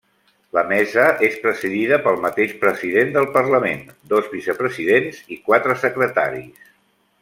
La Mesa és presidida pel mateix president del Parlament, dos vicepresidents i quatre secretaris.